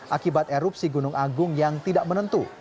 akibat erupsi gunung agung yang tidak menentu